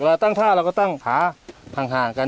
เราตั้งท่าเราก็ตั้งขาห่างกัน